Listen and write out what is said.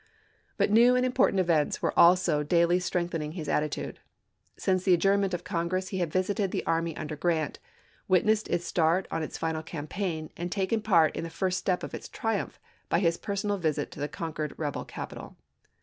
But new and important events were also daily strengthening his attitude. Since the adjournment of Congress he had visited the army under Grant, witnessed its start on its final campaign, and taken part in the first step of its triumph by his personal visit to the conquered rebel capital.